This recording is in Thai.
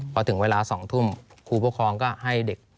พอถึงเวลา๒ทุ่มครูปกครองก็ให้เด็ก